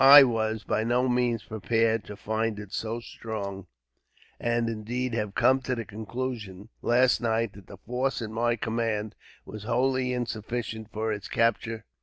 I was by no means prepared to find it so strong; and, indeed, had come to the conclusion, last night, that the force at my command was wholly insufficient for its capture.